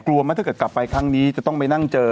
กลัวไหมถ้าเกิดกลับไปครั้งนี้จะต้องไปนั่งเจอ